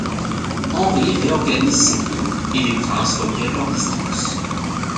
Henri réorganise ses troupes et les princes reprirent leurs distances.